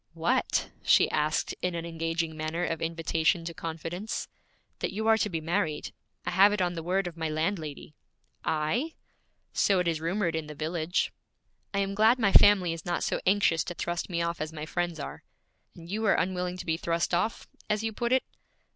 'What?' she asked in an engaging manner of invitation to confidence. 'That you are to be married. I have it on the word of my landlady.' 'I?' 'So it is rumored in the village.' 'I am glad my family is not so anxious to thrust me off as my friends are.' 'And you are unwilling to be thrust off, as you put it?'